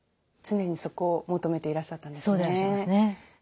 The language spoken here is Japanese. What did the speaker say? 常にそこを求めていらっしゃったんですね。